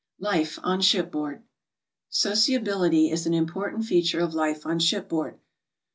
LIFE ON SHIPBOARD. Sociability is an important feature of life on shipboard.